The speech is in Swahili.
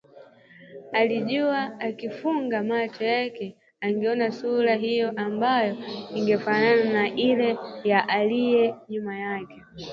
Alijua akifunga macho yake angeona sura hiyo ambayo ingefanana na Ile ya aliye nyuma yake